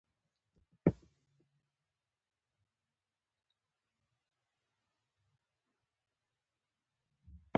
هلته ډیر مړي او جواهرات وو.